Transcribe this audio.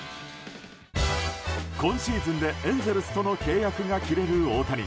今シーズンでエンゼルスとの契約が切れる大谷。